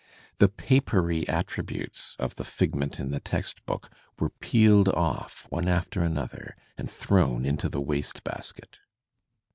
The papery attributes of the figment in the text book were peeled oflF one after another and thrown into the waste basket.